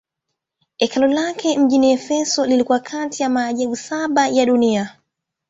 Hekalu lake mjini Efeso lilikuwa kati ya maajabu saba ya dunia.